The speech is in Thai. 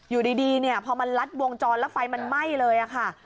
อยู่ดีเพราะมันรัดวงจรและไฟมันไหม้เลยค่ะ